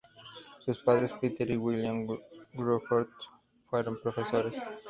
Sus padres, Peter y Gillian Gruffudd, fueron profesores.